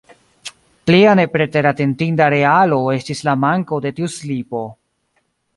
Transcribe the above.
Plia nepreteratentinda realo estis la manko de tiu slipo.